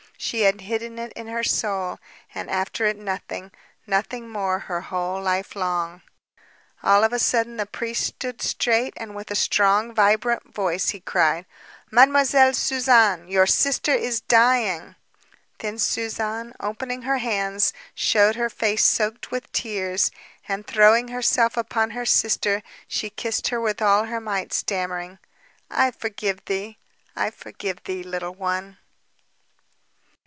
She had hidden it in her soul. And after it nothing, nothing more her whole life long! All of a sudden the priest stood straight, and, with a strong vibrant voice, he cried: "Mademoiselle Suzanne, your sister is dying!" Then Suzanne, opening her hands, showed her face soaked with tears, and throwing herself upon her sister, she kissed her with all her might, stammering: "I forgive thee, I forgive thee, Little One."